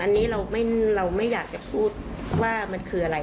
อันนี้เราไม่อยากจะพูดว่ามันคืออะไร